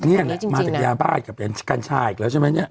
นี่แหละมาจากยาบ้ากับเหรียญกัญชาอีกแล้วใช่ไหมเนี่ย